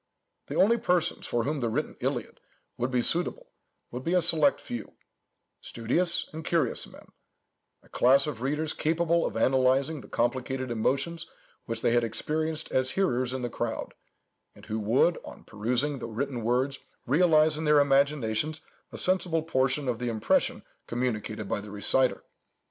The only persons for whom the written Iliad would be suitable would be a select few; studious and curious men; a class of readers capable of analyzing the complicated emotions which they had experienced as hearers in the crowd, and who would, on perusing the written words, realize in their imaginations a sensible portion of the impression communicated by the reciter.